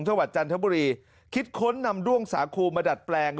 จังหวัดจันทบุรีคิดค้นนำด้วงสาคูมาดัดแปลง